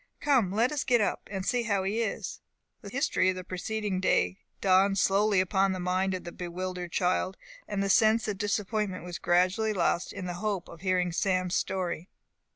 Come, let us get up, and see how he is." The history of the preceding day dawned slowly upon the mind of the bewildered child, and the sense of disappointment was gradually lost in the hope of hearing Sam's story.